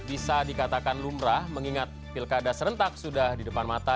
bisa dikatakan lumrah mengingat pilkada serentak sudah di depan mata